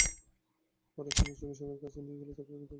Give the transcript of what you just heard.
পরে স্থানীয় চিকিৎসকের কাছে নিয়ে গেলে তাঁকে মৃত ঘোষণা করা হয়।